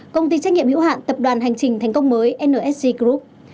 công ty trách nhiệm hữu hạn tập đoàn hành trình thành công mới nsg group